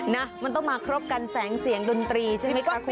นะมันต้องมาครบกันแสงเสียงดนตรีใช่ไหมคะคุณ